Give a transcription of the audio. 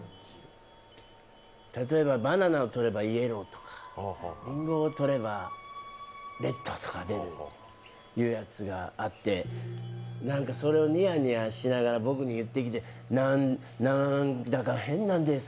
例えばバナナはイエローとか、りんごをとればレッドとか出るいうやつがあってそれをにやにやしながら僕に言ってきて「なーだか変なんです」。